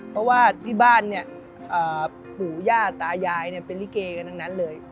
เพราะว่าที่บ้านเนี่ยปู่ย่าตายายเป็นลิเกกันทั้งนั้นเลย